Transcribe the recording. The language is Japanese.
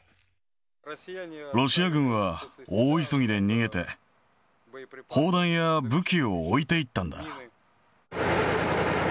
ロシア軍は、大急ぎで逃げて、砲弾や武器を置いていったんだ。